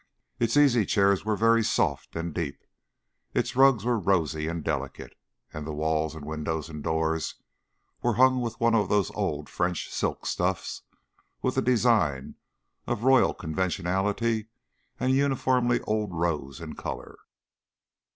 Its easychairs were very soft and deep, its rugs were rosy and delicate, and the walls and windows and doors were hung with one of those old French silk stuffs with a design of royal conventionality and uniformly old rose in colour.